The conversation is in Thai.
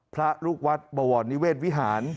พระลูกวัดบวรนิเวศวิหาร